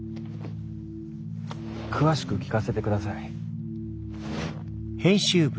詳しく聞かせて下さい。